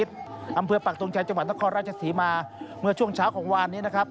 แต่งชุดญี่ปุ่นนะครับ